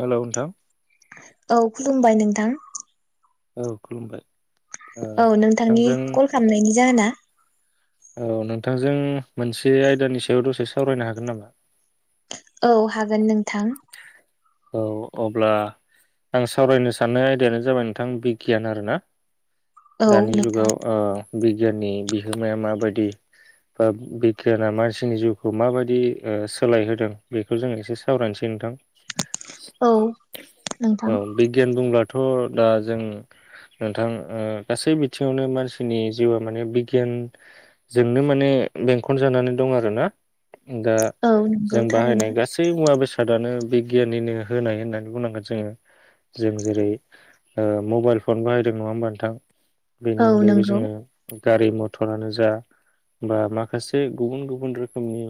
Hello नोंथां। औ खुलुमबाय नोंथां। औ खुलुमबाय ओ औ नोंथांनि नोंथांजों कल खालामनायनि जाहोना औ नोंथांजों मोनसे आयदानि सायाव दसे सावरायनो हागोन नामा? औ हागोन नोंथां। औ अब्ला आं सावरायनो साननाय आयदायानो जाबाय नोंथां बिगियान आरोना। औ दानि नोंथां जुगाव ओ बिगियाननि बिहोमाया माबादि ओ बिगियाना मानसिनि जिउखौ माबादि ओ सोलायहोदों बेखौ जोंङो एसे सावरायनोसै। दे नोंथां। औ औ नोंथां बिगान बुंब्ला थ' दा जों नोंथां ओ गासै बिथिङावनो मानसिनि जिउआ माने बिगियान जोंनो माने बेंखन जानानै दं आरोना। दा औ नंगौ जों थारैनो बाहायनाय गासै मुवा बेसाद सादानो बिगियाननिनो होनाय होननानै बुंनांगोन जोंङो जों जेरै ओ मबाइल फन बाहायदों नङा होमबा नोंथां? बेनि औ अनगायैबो नंगौ जोङो गारि मथरानो जा बा माखासे गुबुन गुबुन रोखोमनि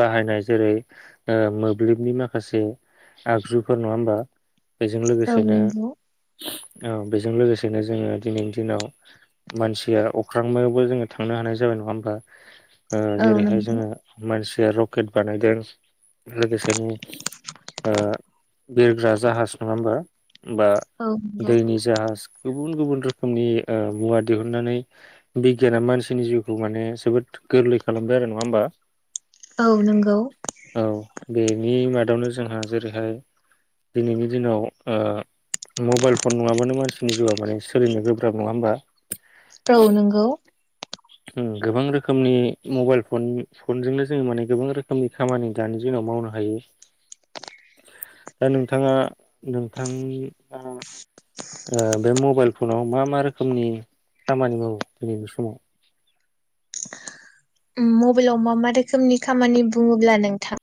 बाहायनाय जेरै ओ मोब ब्लिबनि माखासे आगजुफोर नङा होमबा? बेजों औ लोगोसेनो नंगौ औ बेजों लोगोसेनो जोंङो दिनैनि दिनाव मानसिया अख्रांमायावबो जोंङो थांनो हानाय जाबाय नङा होमबा? ओ औ जेरैहाय नंगौ जोङो मानसि या रकेट बानायदों लोगोसे [unintelligible] ओ बिरग्रा जाहाज नङा होमबा? बा औ नंगौ दैनि जाहास। गुबुन गुबुन रोखोमनि ओ मुवा दिहुननानै बिगियाना मानसिनि जिउखौ माने जोबोद गोरलै खालामबाय आरो नङा होनबा? औ नोंगौ। बिनि मादावनो जोंहा जेरैहाय दिनैनि दिनाव ओ मबाइल फन नङाबानो मानसिनि जिउआ माने सोलिनो गोब्राब नङा होमबा? औ नोंगौ। उम गोबां रोखोमनि मबाइल फन फनजोंनो जों माने गोबां रोखोमनि खामानि दानि जोंङो मावनो हायो ओ नोंथांङा नोंथांआ ओ बे मबाइल फनाव मा मा रोखोमनि खामानि मावो दिनैनि समाव? उम मबेइलाव म मा दोखोमनि खामानि बुंङोब्ला नोंथां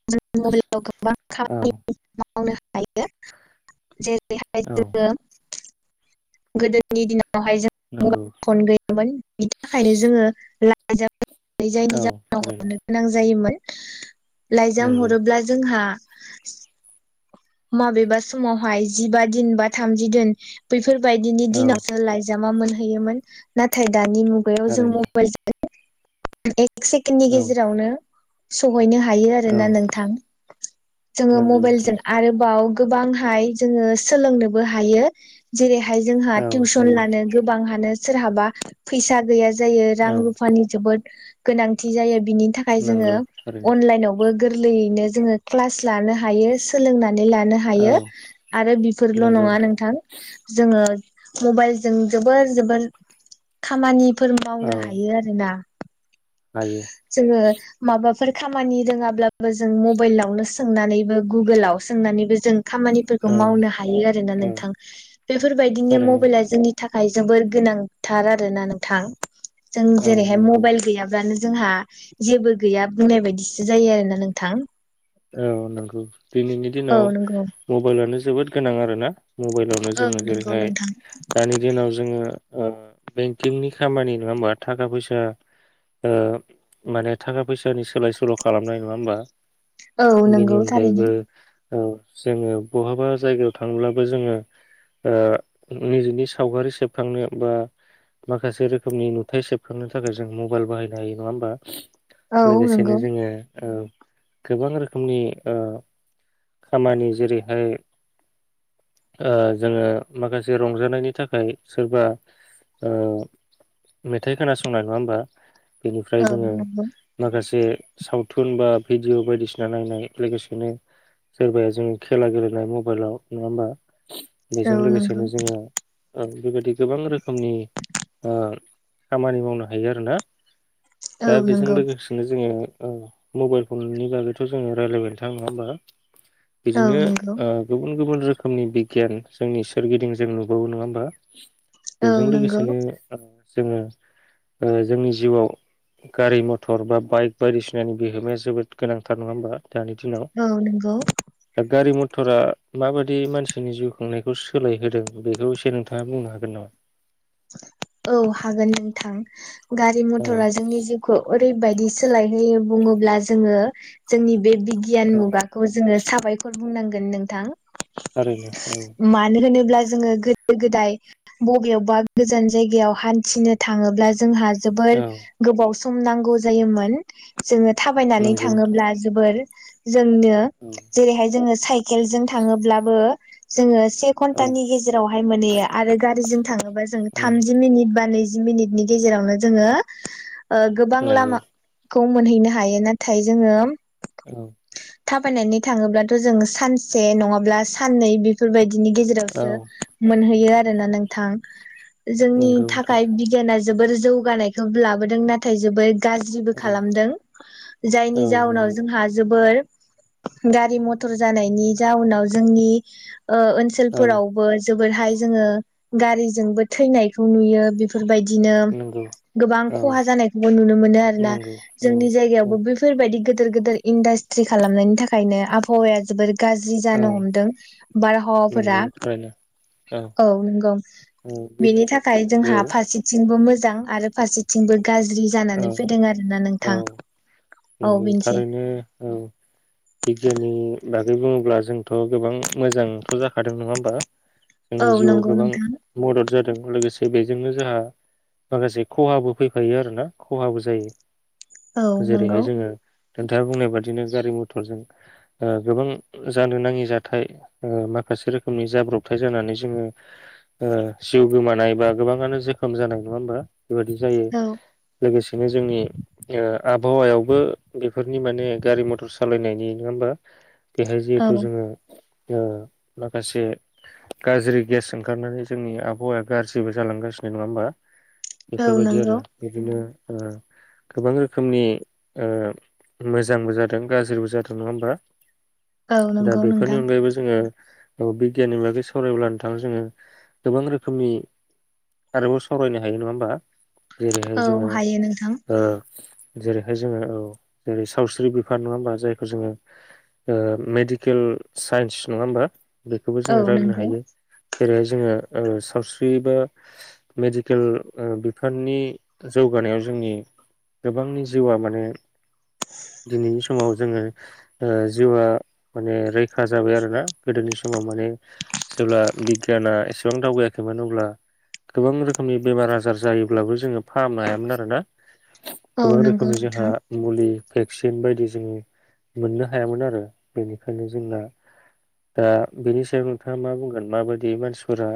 औ [unintelligible] मावनो हायो जेरै बेहाय औ जोङो गोदोनि दिनाव बेवहाय जों नंगौ मबाइल फन गैयामोन बिनि थाखायनो जोंङो ला इजाम औ जायनि जाहोनाव थारैनो हरनो गोनां जायोमोन। [unintelligible] लाइजाम नंगौ हरोब्ला जोंहा [unintelligible] माबेबा समावहाय जिबा दिन बा थामजि दिन बैफो फोर बायदिनि औ दिनावसो लायज् जामा मोनहैयोमोन नाथाय दानि मुगायाव जों थारैनो मबाइलजों [unintelligible] एक सेकेण्डनि औ गेजेरावनो सौ हैनो हायो आरो औ ना नोंथां जोङो नंगौ नोंथां मबाइलजों आरोबाव गोबांहाय जोङो सोलोंनोबो हायो जेरै हाय जोंहा औ टिउसन हायो लानो गोबांहानो सोरहाबा फैसा गैया जायो रां औ रुफानि जोबोद गोनांथि जायो बिनि थाखाय जोङो नंगौ थारैनो अनलाइनावबो गोरलैयैनो जोङो क्लास लानो हायो सोलोंना नानै लानो औ हायो आरो बिफोरल' नङा नोंथां जोङो मबाइलजों जोबोर जोबोर खामानि फोर औ मावनो हायो आरोना। हायो जोङो माबाफोर खामानि रोङाब्लाबो जों मबाइलावनो सोंनानैबो गुगोलाव सोंनानैबो जों खामानिफोरखौ औ मावनो हायो आरोना औ नोंथां, बेफोरबायदिनो थारैनो मबाइलआ जोंनि थाखाय जोबोर गोनांथार आरो ना नोंथां। जों औ जेरैहाय नंगौ मब् गैयाब्लानो जोंहा जेबो गैया बुंनाय बायदिसो जायो आरोना नोंथां। औ नंगौ दिनैनि औ दिनाव नंगौ मबाइलानो जोबोद गोनां आरोना मबाइलावनो औ जोङो नंगौ जेरैहाय नोंथां दानि दिनाव जोङो ओ बेंकिंनि खामानि नङा होमबा थाखा फैसा ओ माने थाखा फैसानि सोलाय सोल' खालामनाय नङा होमबा? औ, बेनि नंगौ थारैनो। अनगायैबो औ, जोङो बहाबा जायगायाव थाङोब्लाबो जोङो ओ निजेनि सावगारि सेबखांनायाव बा माखासे रोखोमनि नुथाय सेबखांनो थाखाय जों मबाइल बाहायनो हायो नङा होमबा? औ लोगोसेनो नंगौ जोङो ओ गोबां रोखोम रोखोमनि ओ खामानि जेरैहाय ओ जोङो माखासे रंजानायनि थाखाय सोरबा मेथाइ खोनासंनाय नङा होमबा बेनिफ्राय औ जोङो नंगौ माखासे सावथुन बा भिडिअ बायदिसिना जा नायनाय लोगोसेनो सोरबाया जोङो खेला गेलेनाय मबाइलाव नङा होमबा औ बेजों नंगौ लोगोसेनो जोङो बेबायदि गोबां रोखोमनि खामानि मावनो हायो आरोना औ दा बेजों नंगौ लोगोसेनो जोङो औ मबाइल फननि बागै खौ जों रायलायबाय नोंथां नङा होमबा औ बिदिनो नंगौ ओ गुबुन गुबुन रोखोमनि बिगियान जोंनि सोरगिदिं जों नुबावो नङा होमबा औ बेजों नंगौ लोगोसेनो जोङो जोंनि जिउआव गारि मथर बा बाइक बायदिसिनानि बिहोमाया जोबोद गोनां थार नङा होनोमा दानि दिनाव औ नंगौ दा गारि मथर मटरा माबायदि मानसिनि जिउ खांनायखौ सोलायहोदों बेखौ एसे नोंथाङा बुंनो हागोन नामा औ हागोन नोंथां गारि नामा? मथरा जोंनि जिउखौ ओरैबायदि सोलायहयो बुङोब्ला जोङो जोंनि बे बिगियान औ मुगाखौ जोङो साबायखर बुंनांगोन नोंथां थारैनो औ मानो होनोब्ला जोङो गोदो गोदाय बबेयावबा गोजान जायगायाव हान्थिनो थाङोब्ला जोंहा जोबोर औ गोबाव सम नांगौ जायोमोन जोङो थाबायनानै नंगौ नोंथां थाङोब्ला जोबोर जोंनो औ जेरैहाय जोङो साइ केलजों थाङोब्लाबो जोङो से औ घन्टानि गेजेरावहाय माने आरो गारिजों थाङोबा उम थामजि मिनिथबा नैजि मिनिटनि गेजेरावनो जोङो ओ गोबां नंगौ लामा खौ मोनहैनो हायो नाथाय जोङो औ थाबायनानै थाङोब्लाथ' जोंङो सानसे नङाब्ला साननै बेफोरबायदि नि औ गेजेरावसो मोनहैयो आरोना नोंथां जोंनि नंगौ नोंथां थाखाय बिगियाना जोबोर जौगानायखौबो लाबोदों नाथाय जोबोद गाज्रिबो खालामदों औ जायनि नंगौ जाउनाव जोंहा जोबोर गारि मथर जानायनि जाउनाव जोंनि ओ औ ओनसोलफोरावबो जोबोदहाय जोङो गारिजोंबो थैनायखौ नुयो बेफोरबाय दिनो नंगौ गोबां औ खहा जानायखौबो नुनो मोनो आरोना नंगौ औ जोंनि औ जायगायावबो बेैफोरबायदि गो गोदोर गोदोर इन्डास्ट्रि खालामनायनि थाखायनो आबहावाया जोबोर गाज्रि औ जानो हमदों बारहावाफोरा नंगौ थारैनो औ नंगौ औ बेनि बेबायदिनो थाखाय नंगौ जोंहा फारसेथिंबो मोजां मोजां आरो फारसेथिंबो गाज्रि औ जानानै फैदों आरोना औ नोंथां औ नंगौ बेनोसै थारैनो औ बिगियाननि बा गै बुङोब्ला जोंथ' गोबां मोजांथ' जाखादों नङा होमबा औ जोंनि जिउआव नंगौ गोबां नोंथां मदद जादों लोगोसे बेजोंनो जोंहा माखासे खहाबो फैफायो आरोना खहाबो जायो औ नंगौ जेरैहाय जोङो नोथाङा बुंनाय बादिनो गारि मथरजों ओ गोबां जानो नाङि जाथाय ओ माखासे रोखोमनि जाब्रबथाय जानानै जोङो ओ जिउ गोमानाय बा गोबाङानो जोखोम जानाय नङा होमबा बेबायदि जायो औ लोगोसे बिदिनो जोंनि ओ आभावायावबो बेफोरनि माने गारि मथर सालायनायनि नङा होमबा बेहाय औ जिहेथु जोङो ओ माखासे गाज्रि गेस ओंखारनानै जोंनि आबावाया गाज्रिबो जालांगासिनो नङा होमबा औ बेफोरबायदि आरो नंगौ बिदिनो ओ गोबां रोखोमनि ओ मोजांबो जादों गाज्रिबो जादों नङा होमबा औ दा नंगौ बेफोरनि नोंथां अनगायैबो जोङो बिगियाननि बागै सावरायोब्ला नोंथां जोङो गोबां रोखोमनि आरोबाव सावरायनो हायो नङा होमबा जेरैहाय औ जोङो हायो नोंथां ओ जेरैहाय जोङो औ जेरै सावस्रि बिफान नङा होनबा जायखौ जोङो ओ मेडिकेल साइन्स नङा होमबा। बेखौबो औ जोंङो रायज्लायनो नंगौ हायो जेरैहाय जोङो सावस्रि बा मेडिकेल बिफाननि जौगानायाव जोंनि गोबांनि जिउआ माने दिनैनि स समाव जोङो ओ जिउआ माने रैखा जाबाय आरोना गोदोनि समाव माने जेब्ला बिगियाना एसेबां दावबायाखैमोन अब्ला गोबां रोखोमनि बेमार आजार जायोब्लाबो जोङो फाहामनो हायामोन आरोना। औ गोबां नंगौ रोखोमनि जोंहा नोंथां मुलि भेक्सिन बायदि जोङो मोननो हायामोन आरो बेनिखायनो जोंना दा बेनि सायाव नोंथाङा मा बुंगोन माबायदि मानसिफोरा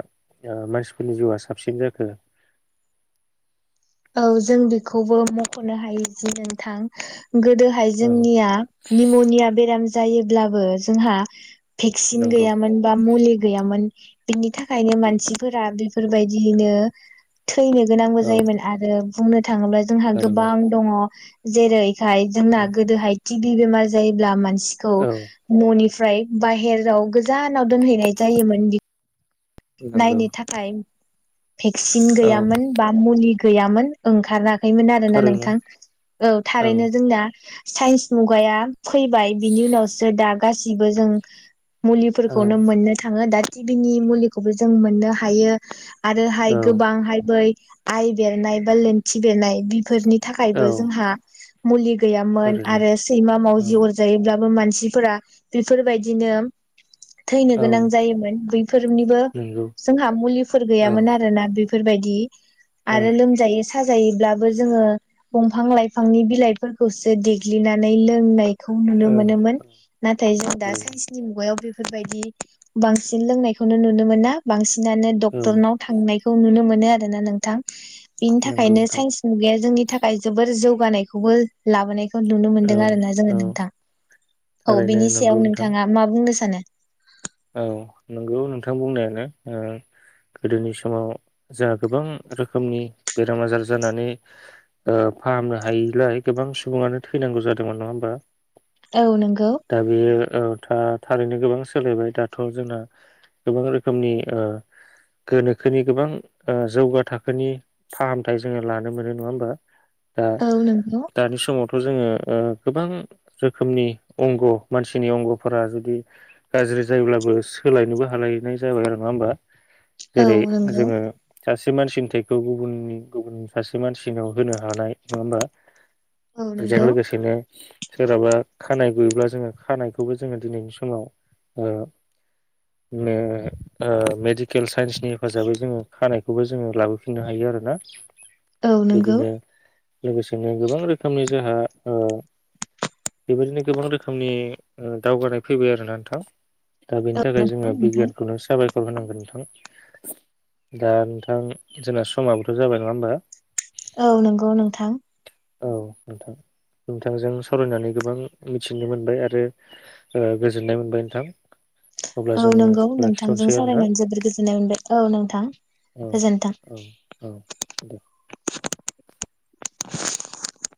मानसिफोरनि जिउआ साबसिन जाखो औ जों बेखौबो मख'नो हायो दि नोंथां गोदोहाय औ जोंनिया निम'निया बेराम जायोब्लाबो जोंहा भेक्सिन नंगौ गैयामोन बा मुलि गैयामोन। बिनि थाखा खायनो मानसिफोरा बे बेफोरबायदियैनो थैनो गोनांबो औ जायोमोन। ओ बुंनो थाङोब्ला जोंहा थारैनो गोबां दङ जेरै खाय जोंना गोदोहाय टिबि बेमार जायोब्ला मानसि सिखौ औ मनि ओमफ्राय बाहेराव गोजानाव दोनहैनाय जायोमोन बि नंगौ नायनो थाखाय भेक्सिन औ गैयामोन बा मुलि गैयामोन ओंखारना खैमोन आरो ना थारैनो नोंथां औ थारैनो जोंना साइन्स मुगाया फैबाय बिनि उनावसो दा गासिबो जों औ मुलिफोरखौनो मोननो थाङो दा बिनि मुलि खौबो जों मोननो हायो आरोहाय औ गोबांहाय बै आइ बेरनाय बा लेन्थि बेरनाय बेफोरनि थाखायबो जोंहा मुलि गैयामोन थारैनो आरो सैमा औ मावजि अर जायोब्ला मानसिफोरा बेफोरबायदिनो थैनो औ गोनां जायोमोन बैफोरनिबो नंगौ जोंहा मुलिफोर औ गैयामोन आरोना। बेफोरबायदि औ आरो लोमजायो साजायोब्लाबो जोङो दंफां लाइफांनि बिलाइफोरखौसो देग्लिनानै लोंनाय खौ नुनो औ मोनोमोन नाथाय जों दा थारैनो साइन्सनि मुगायाव बे बेफोरबायदि बांसिन लोंनायखौनो नुनो मोना बांसिन नानो औ डक्टरनाव थांनाय खौ नुनो मोनो आरोना नोंथां। बिनि नंगौ थाखायनो नोंथां साइन्स मुगाया जोंनि थाखाय जोबोर जौ बानायखौबो लाबोनायखौ नुनो औ मोनदों आरोना जोङो नोंथां औ थारैनो बिनि सायाव नंगौ नोंथां नोंथाङा मा बुंनो सा सानो? औ नंगौ नोंथां बुंनायानो ओ गोदोनि समाव जोंहा गोबां रोखोमनि बेराम आजार जानानै ओ फाहामनो हायिलाय गोबां सुबुङानो थैनांगौ जादोंमोन नङा होमबा? औ नंगौ दा बे ओ था थारैनो गोबां सोलायबाय। दाथ' जोंना गोबां रोखोमनि ओ गोनोखोनि गोबां ओ जौगा थाखोनि फाहामथाय जोङो लानो मोनो नङा होमबा? ओ औ नंगौ दानि समावथ' जोंङो ओ गोबां रोखोमनि अंग मानसिनि अंगफोरा जुदि गाज्रि जायोब्लाबो सोलायनोबो हालायनाय जाबाय आरो नङा होमबा? औ जेरै नंगौ जोङो सासे मानसिनि थैखौ गुबुन गुबुन सासे मानसिनाव होनो हानाय नङा होमबा? औ बेजों नंगौ लोगोसेनो सोरहाबा खानाय गुयोब्ला जोङो खानायखौबो जोङो दिनैनि समाव ओ ओ मेडिकेल साइन्सनि हेफाजाबै जोङो खानायखौबो जोङो लाबोफिननो हायो आरोना। औ नंगौ। बिदिनो लोगोसेनो गोबां रोखोमनि जोंहा ओ बेबायदिनो गोबां रोखोमनि ओ दावगानाय फैबाय आरोना नोंथां। दा बेनि औ थाखाय नंगौ जोङो नोंथां बिगियानखौनो साबायखर खर होनांगोन नोंथां दा नोंथां जोंना समाबोथ' जाबाय नङा होमबा? औ नंगौ नोंथां। औ नोंथां नोंथांजों सावरायनानै गोबां मिथिनो मोनबाय आरो गोजोननाय मोनबाय नोंथां। अब्ला औ जोङो नंगौ नोंथांजों लाखिथ'नोसै आरोना सावरायनानै जोबोर गोजोननाय मोनबाय औ नोंथां औ गोजोन्थों। औ औ दे [inaudible]